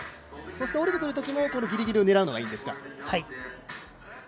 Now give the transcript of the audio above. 下りてくるときも、このギリギリを狙うのがいいんですか。